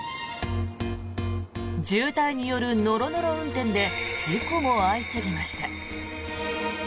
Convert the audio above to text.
渋滞によるノロノロ運転で事故も相次ぎました。